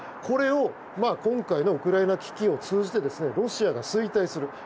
これを今回のウクライナ危機を通じてロシアが衰退する。